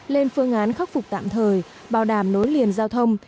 lên phương án khắc phục tạm thời bảo đảm nối liền giao thông